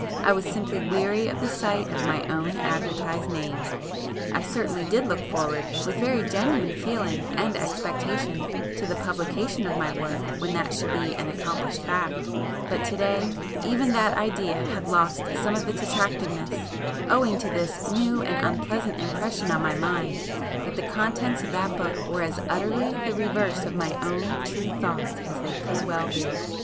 I was simply weary of the sight of my own advertised name. I certainly did look forward with very genuine feeling and expectation to the publication of my work when that should be an accomplished fact,—but to day even that idea had lost some of its attractiveness owing to this new and unpleasant impression on my mind that the contents of that book were as utterly the reverse of my own true thoughts as they could well be.